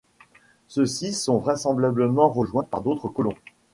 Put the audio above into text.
Ceux-ci sont vraisemblablement rejoints par d'autres colons.